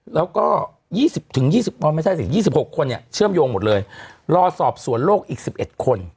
แล้วก็๒๐๒๖คนเนี่ยเชื่อมโยงหมดเลยรอสอบส่วนโรคอีก๑๑คน